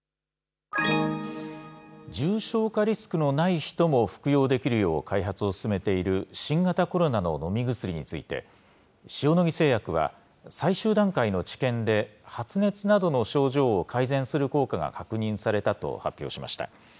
重症化リスクのない人も服用できるよう開発を進めている新型コロナの飲み薬について、塩野義製薬は、最終段階の治験で、発熱などの症状を改善する効果が確認されたと発表しました。